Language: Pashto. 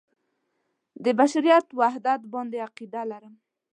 د بشریت پر وحدت باندې عقیده لرم.